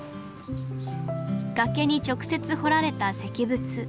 崖に直接彫られた石仏。